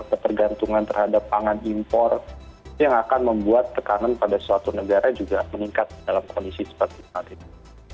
ketergantungan terhadap pangan impor yang akan membuat tekanan pada suatu negara juga meningkat dalam kondisi seperti saat ini